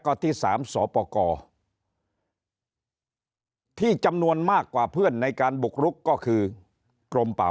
ก็ที่สามสปกรที่จำนวนมากกว่าเพื่อนในการบุกรุกก็คือกรมป่า